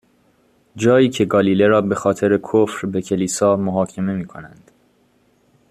جایی که گالیله را به خاطر کفر به کلیسا، محاکمه می کنند.